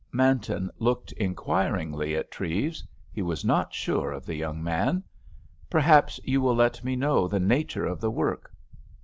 Manton looked inquiringly at Treves; he was not sure of the young man. "Perhaps you will let me know the nature of the work."